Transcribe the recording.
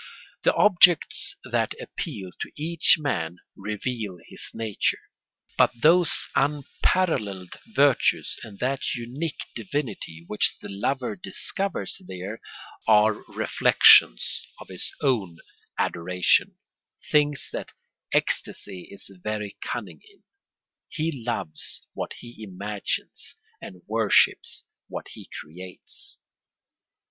The objects that appeal to each man reveal his nature; but those unparalleled virtues and that unique divinity which the lover discovers there are reflections of his own adoration, things that ecstasy is very cunning in. He loves what he imagines and worships what he creates.